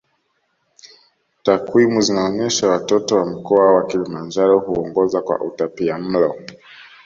Takwimu zinaonyesha watoto wa mkoa wa Kilimanjaro huongoza kwa utapiamlo